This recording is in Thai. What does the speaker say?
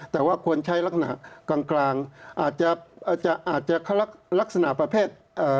แต่ว่าควรใช้ลักหนักกลางอาจจะลักษณะประเภท